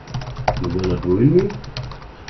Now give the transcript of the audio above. You will not ruin me?